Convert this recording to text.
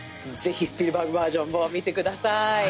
ぜひスピルバーグバージョンも見てください。